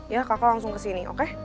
ya kakak langsung kesini oke